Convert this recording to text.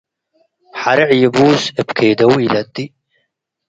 . ሐርዕ ይቡስ እብ ኬደው ኢለጥእ፣